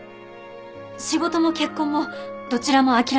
仕事も結婚もどちらも諦めたくない。